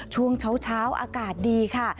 ช่วงเช้าอากาศดีค่ะ